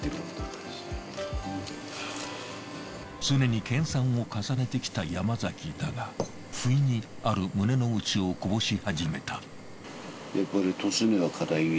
常に研鑽を重ねてきた山崎だがふいにある胸の内をこぼし始めた。